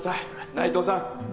内藤さん。